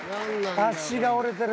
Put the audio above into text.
足が折れてる。